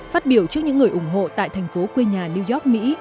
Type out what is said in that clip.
phát biểu trước những người ủng hộ tại thành phố quê nhà new york mỹ